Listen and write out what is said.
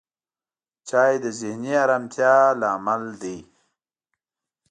چای د ذهني آرامتیا لامل دی